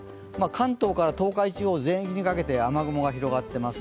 関東から東海地方全域にかけて雨雲が広がっています。